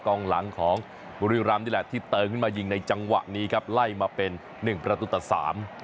กองหลังของบุรีรัมน์นี่แหละที่เติ้ลขึ้นมายิงในจังหวะนี้ครับไล่มาเป็น๑ประตูตะ๓